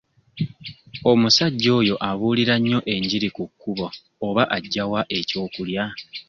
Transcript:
Omusajja oyo abuulira nnyo enjiri ku kkubo oba aggya wa eky'okulya?